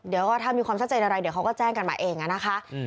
เดี๋ยวถ้ามีความชัดใจอะไรเขาก็แจ้งกันมาเองอะนะคะ